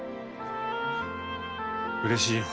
うれしいよ。